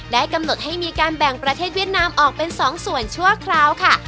กำหนดให้มีการแบ่งประเทศเวียดนามออกเป็น๒ส่วนชั่วคราวค่ะ